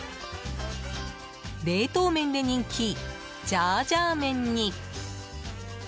冷凍麺で人気ジャージャー麺に。